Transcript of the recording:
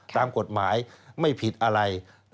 ตามกฎหมายไม่ผิดอะไร